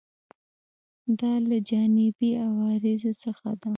دا له جانبي عوارضو څخه ده.